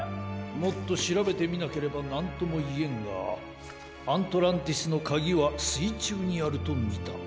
もっとしらべてみなければなんともいえんがアントランティスのかぎはすいちゅうにあるとみた。